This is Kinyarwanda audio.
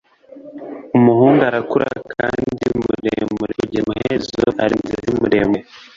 Umuhungu arakura kandi muremure kugeza amaherezo arenze se muremure